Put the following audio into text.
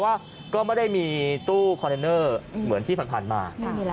ว่าก็ไม่ได้มีตู้คอนเทนเนอร์เหมือนที่ผ่านมา